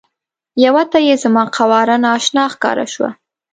یوه ته یې زما قواره نا اشنا ښکاره شوه.